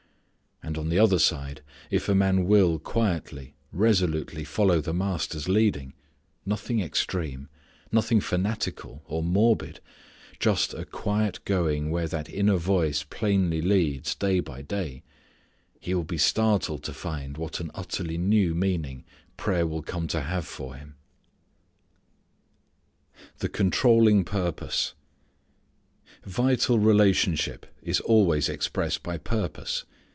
And on the other side, if a man will quietly, resolutely follow the Master's leading nothing extreme nothing fanatical, or morbid, just a quiet going where that inner Voice plainly leads day by day, he will be startled to find what an utterly new meaning prayer will come to have for him. The Controlling Purpose. Vital relationship is always expressed by purpose.